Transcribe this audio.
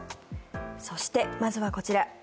そして、まずはこちら。